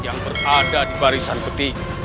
yang berada di barisan peti